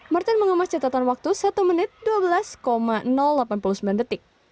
martin mengemas catatan waktu satu menit dua belas delapan puluh sembilan detik